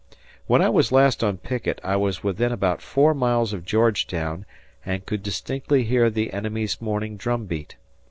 ... When I was last on picket I was within about four miles of Georgetown and could distinctly hear the enemy's morning drum beat.